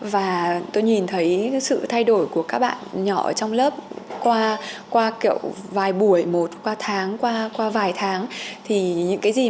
và tôi nhìn thấy sự thay đổi của các bạn nhỏ trong lớp qua kiểu vài buổi một qua tháng qua vài tháng